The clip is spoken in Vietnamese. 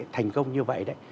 thành công như vậy